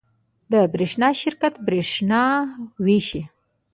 د برښنا شرکت بریښنا ویشي